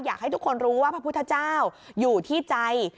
อยากให้ทุกคนรู้ว่าพระพุทธเจ้าอยู่ที่ใจ